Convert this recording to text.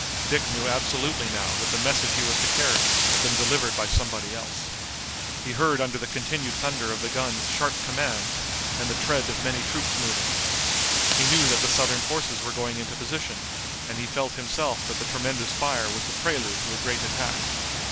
Dick knew absolutely now that the message he was to carry had been delivered by somebody else. He heard under the continued thunder of the guns sharp commands, and the tread of many troops moving. He knew that the Southern forces were going into position, and he felt himself that the tremendous fire was the prelude to a great attack.